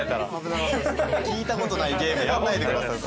聞いたことないゲームやんないでください。